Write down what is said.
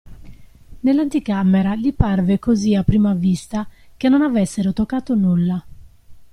Nell'anticamera gli parve, così a prima vista, che non avessero toccato nulla.